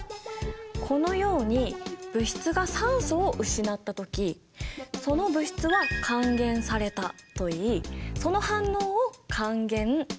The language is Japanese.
このように物質が酸素を失った時その物質は「還元された」といいその反応を「還元」というんだ。